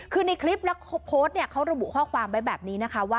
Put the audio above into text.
คือในคลิปแล้วโพสต์เขาระบุข้อความไปแบบนี้